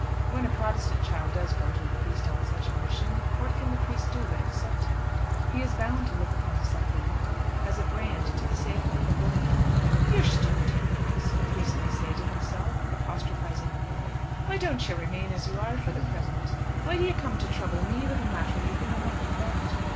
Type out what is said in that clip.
When a Protestant child does go to a priest on such a mission, what can the priest do but accept him? He is bound to look upon the suppliant as a brand to be saved from the burning. "You stupid young ass!" the priest may say to himself, apostrophising the boy; "why don't you remain as you are for the present? Why do you come to trouble me with a matter you can know nothing about?"